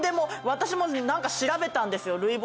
私も調べたんですよ。